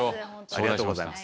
ありがとうございます。